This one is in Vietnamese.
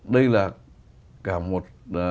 đây là cả một